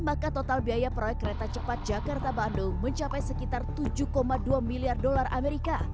maka total biaya proyek kereta cepat jakarta bandung mencapai sekitar tujuh dua miliar dolar amerika